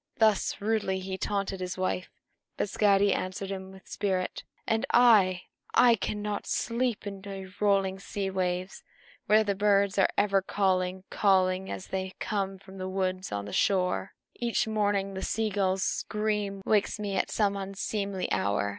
Thus rudely he taunted his wife; but Skadi answered him with spirit. "And I I cannot sleep by your rolling sea waves, where the birds are ever calling, calling, as they come from the woods on the shore. Each morning the sea gull's scream wakes me at some unseemly hour.